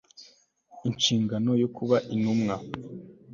inshingano yo kuba intumwa